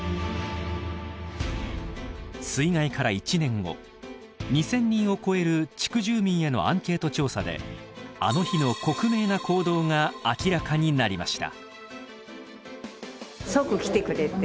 水害から１年後２，０００人を超える地区住民へのアンケート調査であの日の克明な行動が明らかになりました。